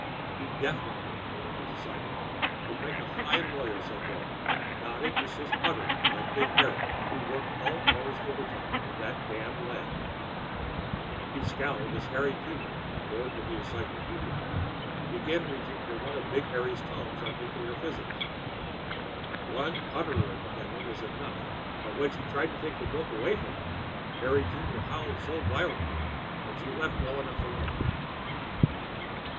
He definitely, Melinda decided, would make a fine lawyer someday, not a useless putterer like Big Harry, who worked all hours overtime in that damned lab. She scowled as Harry Junior, bored with the encyclopedia, began reaching for one of Big Harry's tomes on nuclear physics. One putterer in the family was enough! But when she tried to take the book away from him, Harry Junior howled so violently that she let well enough alone.